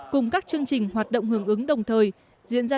cùng các chương trình hoạt động hưởng ứng đồng thời diễn ra